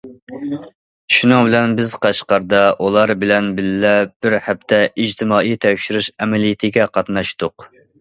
شۇنىڭ بىلەن بىز قەشقەردە ئۇلار بىلەن بىللە بىر ھەپتە ئىجتىمائىي تەكشۈرۈش ئەمەلىيىتىگە قاتناشتۇق.